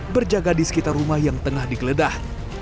berjaga di sekitar rumah yang tengah digeledah